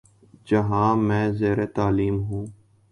جہاں میں زیرتعلیم ہوں